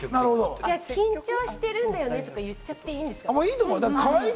緊張してるんだよねって言っちゃっていいんだ。